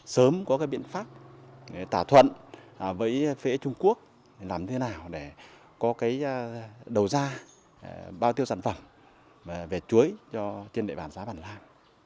sớm có biện pháp tả thuận với phía trung quốc làm thế nào để có đầu ra bao tiêu sản phẩm về chuối cho trên đệ bản giá bản làm